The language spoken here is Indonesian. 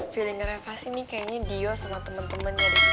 feeling reva sih nih kayaknya dio sama temen temennya